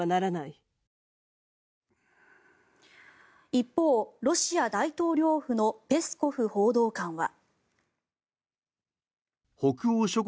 一方、ロシア大統領府のペスコフ報道官は。